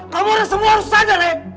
kamu orang semua harus sadar ya